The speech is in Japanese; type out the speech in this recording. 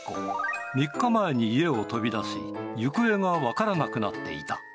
３日前に家を飛び出し、行方が分からなくなっていた。